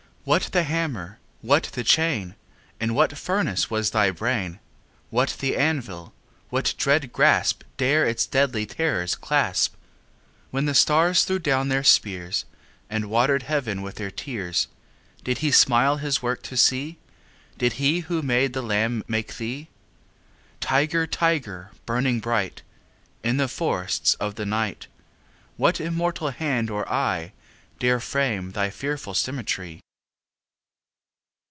What the hammer? what the chain? In what furnace was thy brain? What the anvil? What dread grasp 15 Dare its deadly terrors clasp? When the stars threw down their spears, And water'd heaven with their tears, Did He smile His work to see? Did He who made the lamb make thee? 20 Tiger, tiger, burning bright In the forests of the night, What immortal hand or eye Dare frame thy fearful symmetry?